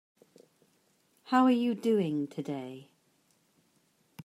How are you doing today?